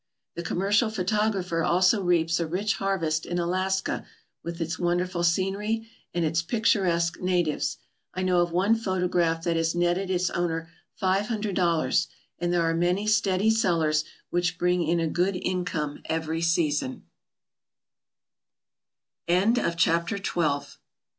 The commercial photographer also reaps a rich harvest in Alaska with its wonderful scenery and its picturesque natives. I know of one photograph that has netted its owner five hundred dollars, and there are many steady sellers which bring in a good i